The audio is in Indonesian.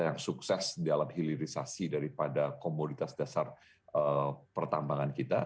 yang sukses dalam hilirisasi daripada komoditas dasar pertambangan kita